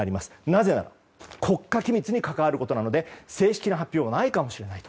なぜなら国家機密に関わることなので正式な発表はないかもしれない。